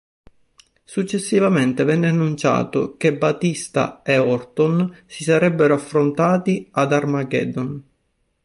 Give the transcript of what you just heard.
Successivamente, venne annunciato che Batista e Orton si sarebbero affrontati ad Armageddon.